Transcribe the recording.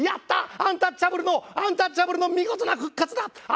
アンタッチャブルのアンタッチャブルの見事な復活だ。